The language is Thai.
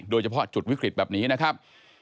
โดยเฉพาะจุดวิกฤตแบบนี้นะครับ